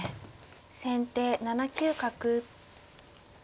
先手７九角。